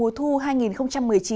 cuộc thi âm nhạc mùa thu